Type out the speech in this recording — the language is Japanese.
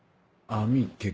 ああ。